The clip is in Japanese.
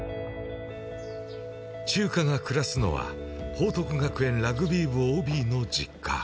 チューカが暮らすのは、報徳学園ラグビー部ＯＢの実家。